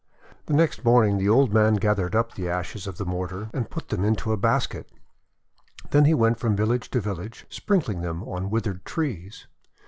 The next morning the old man gathered up the ashes of the mortar, and put them into a basket. Then he went from village to village, sprinkling them on withered trees.